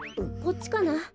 こっちかな？